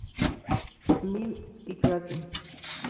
Mind y Kraken.